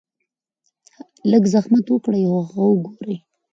لږ زحمت اوکړئ هغه اوګورئ -